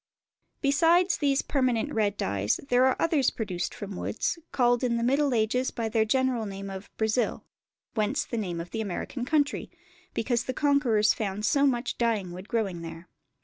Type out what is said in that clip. Besides these permanent red dyes there are others produced from woods, called in the Middle Ages by the general name of "Brazil"; whence the name of the American country, because the conquerors found so much dyeing wood growing there.